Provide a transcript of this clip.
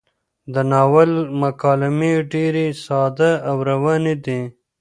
د ناول مکالمې ډېرې ساده او روانې دي.